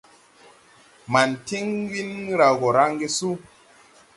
Man tiŋ ɓin raw gɔ raŋge su.